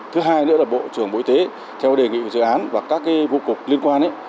thứ hai nữa là bộ trưởng bộ y tế theo đề nghị của dự án và các vụ cục liên quan